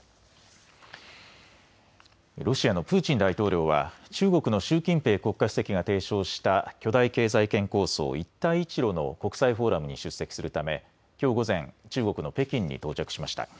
ロシアのプーチン大統領は中国の習近平国家主席が提唱した巨大経済圏構想、一帯一路の国際フォーラムに出席するためきょう午前、中国の北京に到着しました。